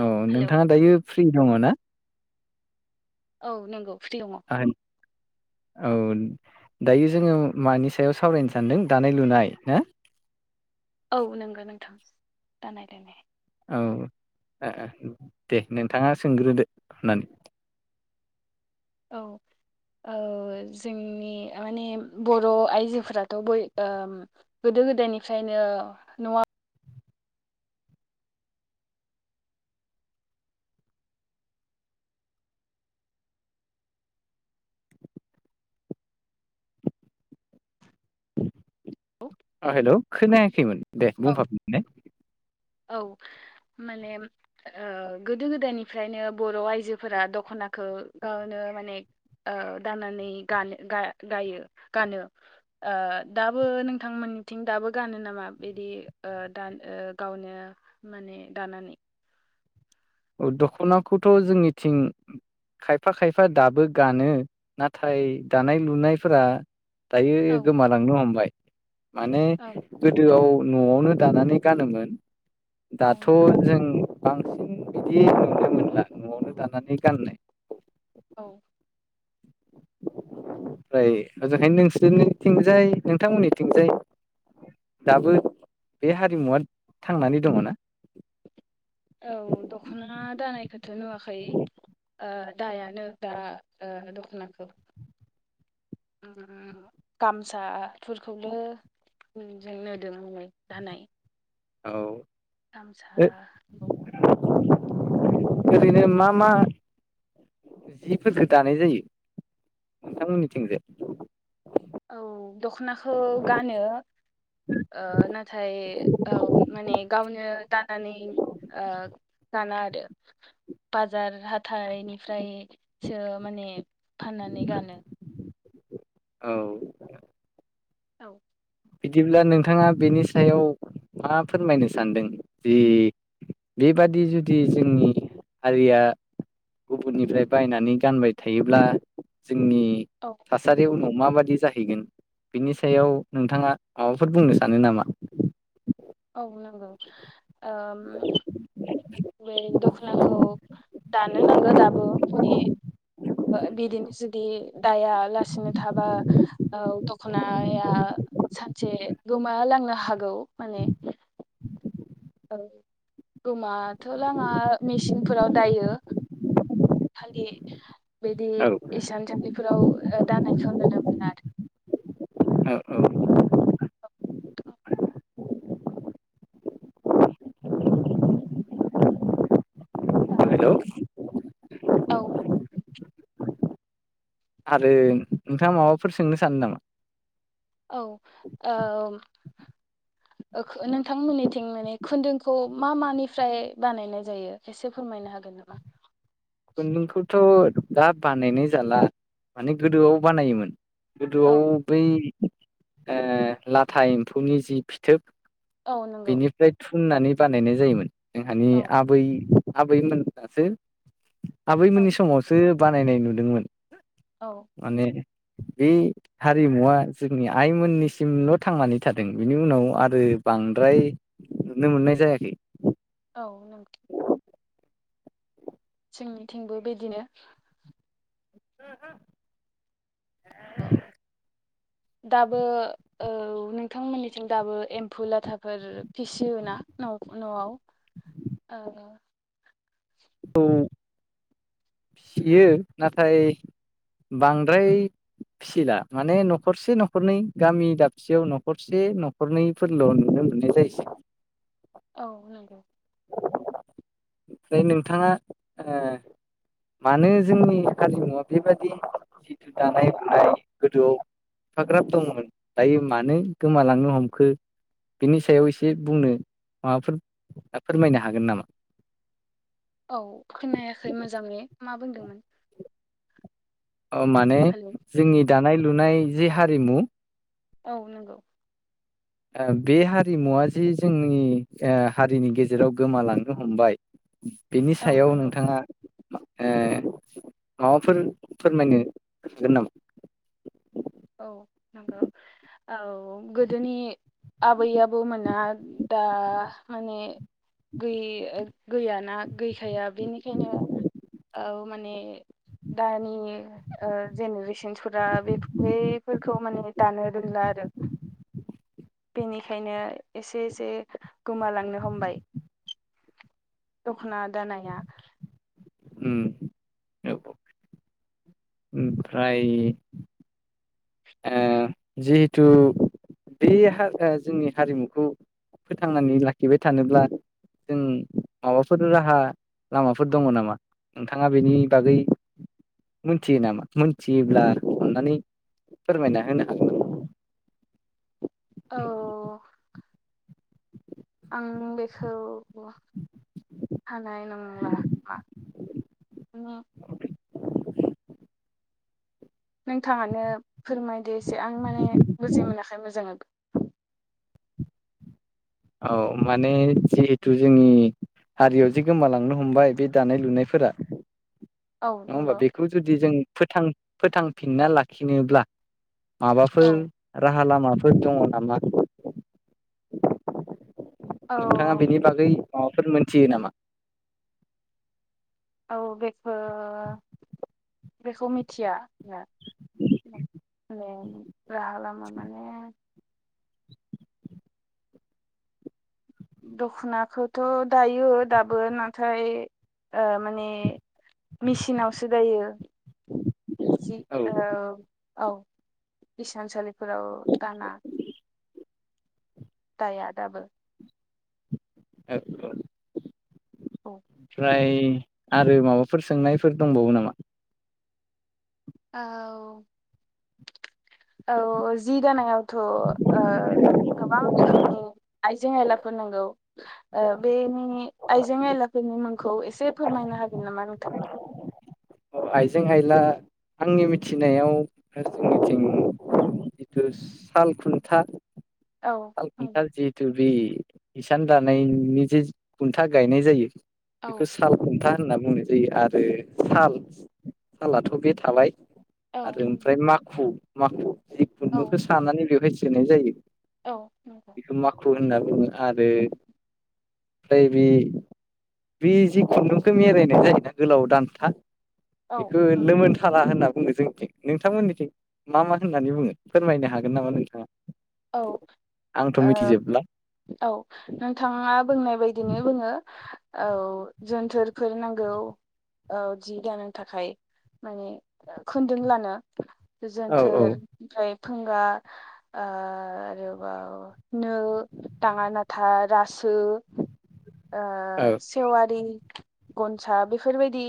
औ हेलौ नोंथाङा दायो फ्रि दङ ना? औ नंगौ फ्रि दङ। [unintelligible] औ दायो जोङो मानि सायाव सावरायनो सानदों दानाय -लुनाय ना? [unintelligible] औ नंगौ नोंथां दानाय- लुनाय। औ दे नोंथाङा सोंग्रोदो होननानै [inaudible] ओ जोंनि माने बर' आइजोफोराथ' बय ओ गोदो -गोदायनिफ्रायनो न'आव हेल' खोनायाखैमोन दे औ बुंफाब फिननाय। औ माने ओ गोदो- गोदायनिफ्रायनो बर' आइजोफोरा दख'ना [unintelligible] गावनो माने ओ दाननानै गानो गायो गानो ओ दाबो नोंथांमोन [unintelligible] दाबो गानो नामा बिदि ओ दा गावनो माने दानानै। दख'नाखौथ' जोंनिथिं खायफा -खायफा दाबो गानो नाथाय दानाय- लुनायफोरा दायो औ गोमालांनो हमबाय। माने औ गोदोआव न'आवनो दानानै गानोमोन। औ दाथ' नंगौ जों बांसिन बिदि नुनो मोनला न'आवनो दानानै गाननाय। औ ओमफ्राय ओजोंहायनो नोंसोरनिथिंजाय नोंथांमोननिथिंजाय दाबो बे हारिमुवा थांनानै दङ ना? औ दख'ना दानायखौथ' नुवाखै ओ दायानो दा ओ दख'नाखौ। [unintelligible] गामसाफोरखौबो जों नुदोंमोन दानाय। औ। गामसा [unintelligible] ओरैनो मा -मा जिफोरखो दानाय जायो नोंथांमोननिथिंजाय? औ [unintelligible] दखनाखौ गानो ओ नाथाय औ माने गावनो दानानै ओ [unintelligible] आरो बाजार हाथाइनिफ्राय सो माने फाननानै गानो। औ। औ। बिदिब्ला नोंथाङा बेनि सायाव मा फोरमायनो सानदों? जि बेबादि जुदि जोंनि हारिया गुबुननिफ्राय बायनानै गानबाय थायोब्ला जोंनि औ थासारि उनाव माबादि जाहैगोन? बिनि सायाव नोंथाङा माबाफोर बुंनो सानो नामा? औ नंगौ ओ बे दख'नाखौ दानो नांगो दाबो बे ओ बिदिनोस बिदि दाया लासिनो थाबा औ दख'नाया सानसे गोमा लांनो हागौ। माने [unintelligible] औ गोमाथ' लाङा, मेसिनफोराव दायो। फालि बिदि औ इसान सालिफोराव ओ दानानायखौ नुनो मोना आरो। औ औ। औ। हेल' औ। आरो नोंथाङा माबाफोर सोंनो सानो नामा? औ ओम ओख नोंथांमोननिथिं माने खुन्दुंखौ मा मानिफ्राय बानायनाय जायो? एसे फोरमायनो हागोन? जबा [unintelligible] खुन्दुंखौथ' दा बानायनाय जाला माने गोदोआव बानायोमोन। औ गोदोआव बै ओ लाथा एम्फौनि जि फिथोब औ नंगौ। फुननानै बानायनाय जायोमोन। जोंहानि औ आबै आबै मोनासो आबैमोननि औ समावसो बानायनाय नुदोंमोन। औ माने बे हारिमुवा जोंनि आइमोननिसिमल' थांनानै थादों। बिनि उनाव आरो बा बांद्राय नुनो मोननाय जायाखै। औ नंगौ। जोंनिथिंबो बिदिनो हो हो औ। दाबो औ नोंथांमोननिथिं दाबो एम्फौ लाथाफोर फिसियो ना? न' न'आव ओ खौ फियो। नाथाय बांद्राय फिसिला माने न'खरसे न'खरनै गामि दाबसेयाव न'खरसे न'खरनैफोरल' नुनो मोननाय जायसै। औ नंगौ। ओफ्राय नोंथाङा ओ? मानो जोंनि हारिमुआव बेबादि जिथु दानाय लुनाय गोदोआव फाग्राब दंमोन दायो। मानो गोमालांनो हमखो? बिनि सायाव एसे बुंनो माबाफोर फोरमायनो हागोन नामा? औ खोनायाखै मोजाङै मा बुंदोंमोन? ऐ माने हेलौ जोंनि दानाय लुनाय जि हारिमु औ नंगौ। बे हारिमुवा जि जोंनि हारिनि गेजेराव गोमालांनो हमबाय बेनि औ सायाव नंगौ नोंथाङा ओ माबाफोर फोरमायनो हागोन नामा? औ नंगौ औ गोदोनि आबै आबो मोना दा माने गै गैयाना गैखाया बेनिखायनो औ माने दानि ओ जेनेरेसनफोरा बे बैफोरखौ माने दानो रोंला आरो बेनिखायनो एसे एसे गोमालांनो हमबाय दखना दानाया उम औ ओमफ्राय ओ जिहेथु बे हाग्रा जोंनि हारिमुखौ फोथांनानै लाखिबाय थानोब्ला जों माबाफोर राहा लामाफोर दं नामा नोंथांआ बेनि बागै मिथियो नामा मोनथियोब्ला अन्नानै फोरमायना होनो हागोन औ आं बेखौ हानाय नंला म उहो [inaudible] नोंथाङानो फोरमायदो एसे आं माने बुजि मोनाखै मोजाङै औ माने जिहेथु जोंनि हारियाव जि गोमालांनो हमबाय बे दानाय लुनायफोरा औ नङा होमबा नंगौ बेखौ जुदि जों फोथां फोथांफिनना लाखिनोब्ला औ माबाफोर राहा लामाफोर दं नामा? नोंथाङा औ बेनि बागै माबाफोर मोनथियो नामा? औ बेखौ बेखौ मिथिया [unintelligible] [unintelligible] राहा लामा माने दख'नाखौथ' दायो दाबो नाथाय ओ माने मिसानावसो दायो जि औ ओ औ इसानसालिफोराव दाना दाया दाबो [inaudible] औ प्राय आरो माबाफोर सोंनायफोर दंबावो नामा? औ औ जि दानायावथ' ओ गोबां रोखोमनि आइजें आयलाफोर नांगौ ओ बेनि आइजें आयलाफोरनि मुंखौ एसे फोरमायना हागोन नामा नोंथां? ओ आइजें आइला आंनि मिथिनायाव जोंनिथिं जिथु साल खुन्था औ साल खुन्था नंगौ जिहेतु बे इसान दानायनि जे खुन्था गायनाय जायो औ बेखौ साल नंगौ खुन्था होनना बुंनाय जायो आरो औ साल फालाथ' बे थाबाय औ आरो ओमफ्राय माखु माखु जि औ खुन्दुंखौ सानानै बेवहाय सोनाय जायो औ नंगौ बेखौ माखु होनना बुङो आरो ओमफाय बे बे जि खुन्दुंखौ मिरायनाय आवलाय गोलाव दानखा औ बेखौ औ लोमोनथाला होनना बुंदों जोंथि नोंथांमोननिथिं मा मा होननानै बुङो फोरमायनो हागोन नामा नोंथाङा? औ आंथ' ओ मिथिजोबला औ नोंथाङा बुंनाय बायदिनो बुङो औ जोनथोरफोर नांगौ औ जि दानो थाखाय माने खोन्दोंलाना औ औ गोजोनथोर ओमफ्राय फुंगा ओ ओ आरोबाव नो दाङा नाथा रासो ओ औ सेवारि गनसा बेफोरबायदि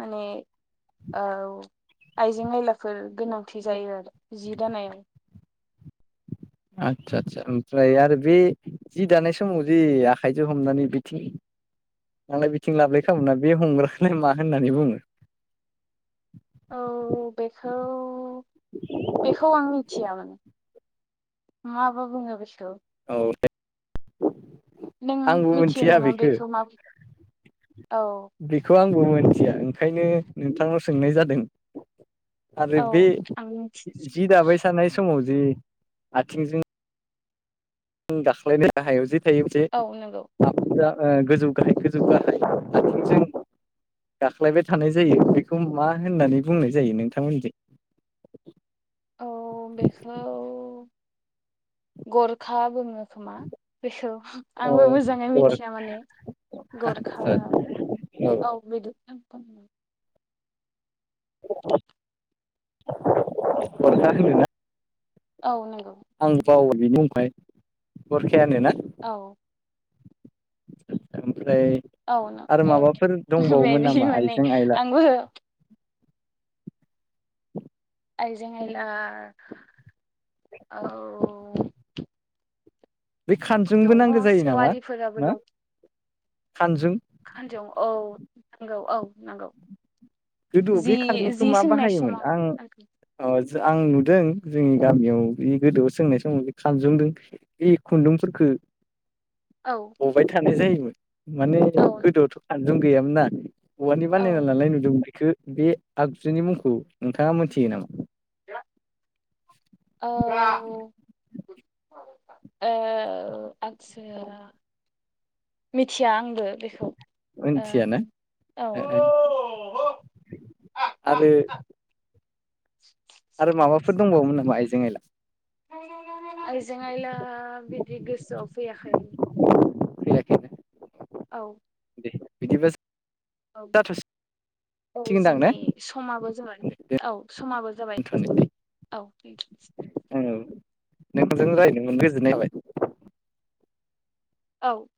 माने औ आइजें आयलाफोर गोनांथि जायो आरो जि दानायाव आदसा आदसा ओमफ्राय आरो बे जि दानाय समाव जि आखाइजों हमनानै बिथिं नालाय बिथिं लाबोलाय खालामोना बे हमग्रानो मा होननानै बुङो औ बेखौ बेखौ आंनि थिया माने माबा बुंङो औ नों आंबो मिथियो मिथिया नामा बेखौ मा औ बेखौ आं बो मिथिया ओंखायनो नोंथांनाव सोंनाय जादों। आरो औ बे आं मिथि जि दाबाय सानाय समाव जि आथिंजों गाख्लायनो हायाव जि थायोसे औ नंगौ हा ओ गोजौ गाहाय गोजौ गाहाय आथिंजों गाख्लायबाय थानाय जायो बेखौ मा होननानै बुंनाय जायो नोंथांमोनजों। [inaudible] औ बेखौ गरखा बुङो। खोमा बेखौ अ आंबो मोजाङै गरखा मिथिया माने गरखा औ बिदु [unintelligible] औ नंगौ। आं बावो बिनि उनाय गरखायानोना? औ ओं ओमफ्राय औ ओ आरो माबाफोर दंबावोमोन बेदि नामा माने आइजें आइला। आंबो आइजें आइला औ बे खानजुंबो दङ नांगौ जायो नामा सेवारिफोराबो ना दं। खानजुं खानजं औ नंगौ औ नंगौ गोदौ जि बे खानजंखौ जि मा सोंनाय बाहायोमोन समाव आं ओ आं नुदों जोंनि गामियाव बे गोदोआव सोंनाय समाव बे खानजंदों बे खुन्दुंफोरखो औ [inaudible] हबाय थानाय जायोमोन माने औ गोदोआवथ' खानजुं गैयामोन ना। औवानि बानायना औ लानाय नुदोंमोन बेखौ बे आगजुनि मुंखौ नोंथाङा मोनथियो नामा? [unintelligible] औ औ आतसा मिथिया आंबो बेखौ। मोनथियाना ओ औ आरो [inaudible] आरो माबाफोर दंबावोमोन नामा आइजें आइला। आयजें आइला बिदि गोसोआव फैयाखै [inaudible] औ बिदिब्ला औ [unintelligible] औ जाथ'सिगोनदां ने जोंनि समाबो जाबाय औ समाबो जाबाय दोनथ'नोसै ओ औ औ नोंथांजों रायज्लायना गोजोननाय थाबाय। औ